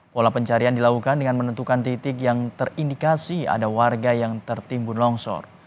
pola pencarian dilakukan dengan menentukan titik yang terindikasi ada warga yang tertimbun longsor